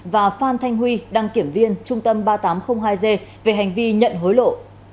và phan thanh huy đăng kiểm viên trung tâm ba nghìn tám trăm linh hai g về hành vi nhận hối lộ